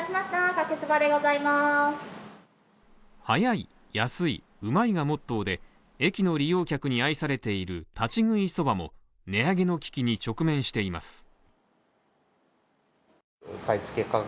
早い・安い・うまいがモットーで駅の利用客に愛されている立ち食いそばも値上げの危機に直面しています。